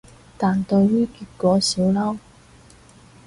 但對於結果少嬲